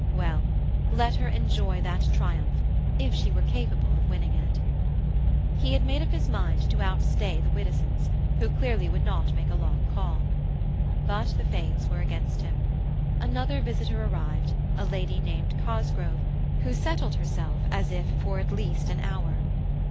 Well, let her enjoy that triumph, if she were capable of winning it. He had made up his mind to outstay the Widdowsons, who clearly would not make a long call. But the fates were against him. Another visitor arrived, a lady named Cosgrove, who settled herself as if for at least an hour.